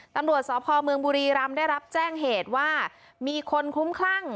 ตำรวจสพเมืองบุรีรำได้รับแจ้งเหตุว่ามีคนคุ้มคลั่ง